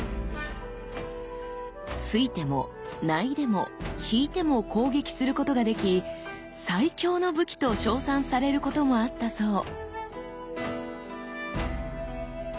突いても薙いでも引いても攻撃することができ「最強の武器」と称賛されることもあったそう。